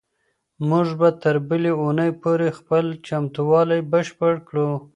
موږ به تر بلې اونۍ پورې خپل چمتووالی بشپړ کړو.